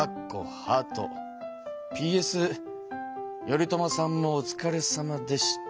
ＰＳ頼朝さんもおつかれさまでした」